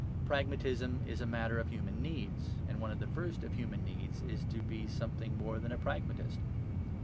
Pragmatism is a matter of human needs; and one of the first of human needs is to be something more than a pragmatist.